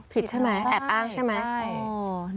ผิดใช่ไหมแอบอ้างใช่ไหม